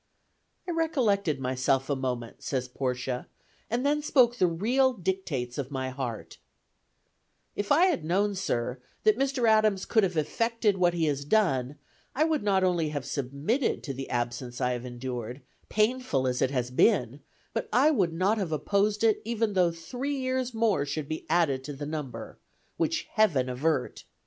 "I recollected myself a moment," says Portia, "and then spoke the real dictates of my heart: 'If I had known, sir, that Mr. Adams could have effected what he has done, I would not only have submitted to the absence I have endured, painful as it has been, but I would not have opposed it, even though three years more should be added to the number (which Heaven avert!).